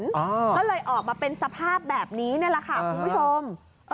ก็เลยออกมาเป็นสภาพแบบนี้นี่แหละค่ะคุณผู้ชม